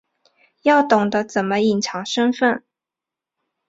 要懂得怎么隐藏身份